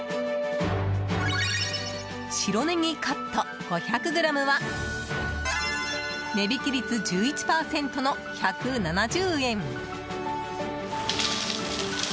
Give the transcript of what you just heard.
白ねぎカット５００ｇは値引き率１１％の１７０円。